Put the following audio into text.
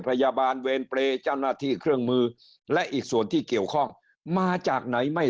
พยาบาลเวรเปรย์เจ้าหน้าที่เครื่องมือและอีกส่วนที่เกี่ยวข้องมาจากไหนไม่